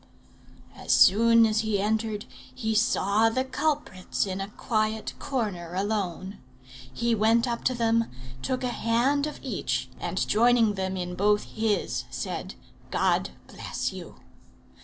"As soon as he entered, he saw the culprits in a quiet corner alone. He went up to them, took a hand of each, and joining them in both his, said, 'God bless you!'